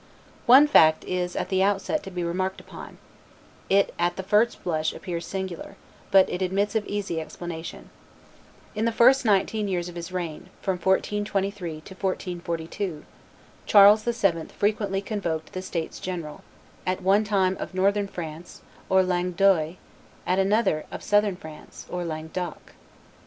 One fact is at the outset to be remarked upon; it at the first blush appears singular, but it admits of easy explanation. In the first nineteen years of his reign, from 1423 to 1442, Charles VII. very frequently convoked the states general, at one time of Northern France, or Langue d'oil, at another of Southern France, or Langue d'oc.